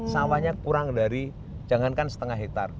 sawahnya kurang dari jangankan setengah hektare